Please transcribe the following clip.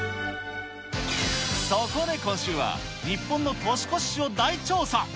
そこで今週は、日本の年越し史を大調査。